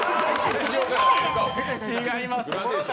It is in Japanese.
違います。